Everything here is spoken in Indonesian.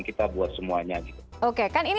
kita buat semuanya gitu oke kan ini